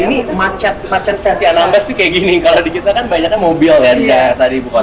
ini macet stasiun ambes kayak gini kalau di kita kan banyaknya mobil ya di sejarah ibu kota